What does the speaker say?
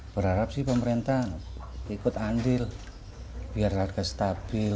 berharap sih pemerintah ikut andil biar harga stabil